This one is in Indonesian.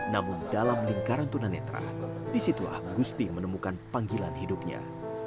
namun dalam lingkaran tunanetra disitulah gusti menemukan panggilan hidupnya